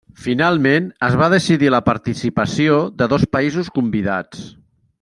Finalment es va decidir la participació de dos països convidats.